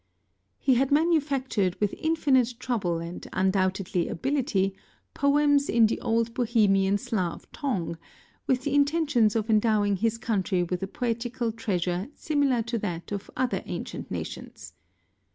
He had manufactured with infinite trouble and undoubted ability poems in the old Bohemian Slay tongue, with the intention of endowing his country with a poetical treasure similar to that of other ancient nations.